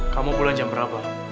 kamu pulang jam berapa